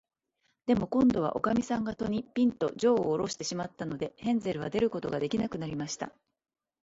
でも、こんどは、おかみさんが戸に、ぴんと、じょうをおろしてしまったので、ヘンゼルは出ることができなくなりました。